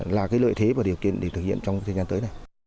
là lợi thế và điều kiện để thực hiện trong thời gian tới